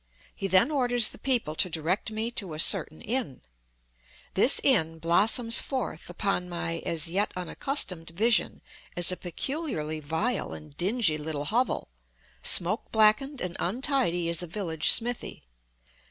He then orders the people to direct me to a certain inn. This inn blossoms forth upon my as yet unaccustomed vision as a peculiarly vile and dingy little hovel, smoke blackened and untidy as a village smithy.